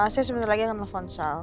saya sebentar lagi akan nelfon saya